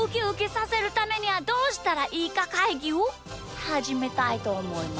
させるためにはどうしたらいいかかいぎ」をはじめたいとおもいます。